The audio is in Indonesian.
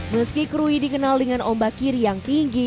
meski krui dikenal dengan ombak kiri yang tinggi